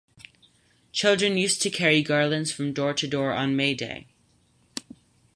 Children used to carry garlands from door to door on May Day.